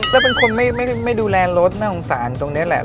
ก็เป็นคนไม่ดูแลรถน่าสงสารตรงนี้แหละ